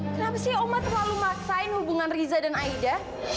kenapa sih oma terlalu maksain hubungan riza dan aida